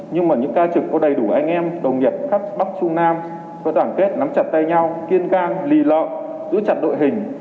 nhưng mà những ca trực có đầy đủ anh em đồng nghiệp khắp bắc trung nam có đoàn kết nắm chặt tay nhau kiên ca lì lợ giữ chặt đội hình